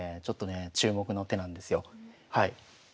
ちょっとね注目の手なんですよ。